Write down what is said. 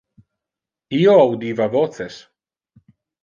Io audiva voces.